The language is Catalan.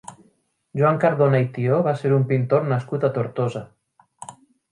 Joan Cardona i Tió va ser un pintor nascut a Tortosa.